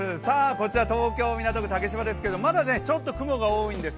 こちら東京・港区竹芝ですけどまだちょっと雲が多いんです。